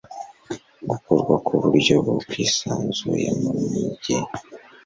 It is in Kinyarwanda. gukorwa ku buryo bwisanzuye mu mijyi